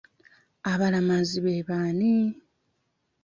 Abalamazi be b'ani?